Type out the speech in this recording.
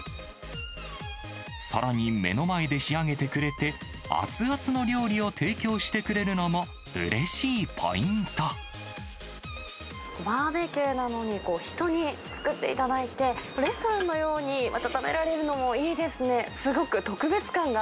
さらに目の前で仕上げてくれて、熱々の料理を提供してくれるのも、バーベキューなのに、人に作っていただいて、レストランのように、また食べられるのもいいですね。